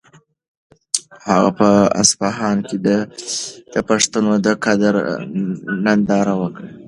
هغه په اصفهان کې د پښتنو د قدرت ننداره وکړه.